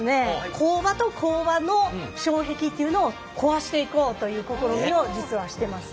工場と工場の障壁っていうのを壊していこうという試みを実はしてます。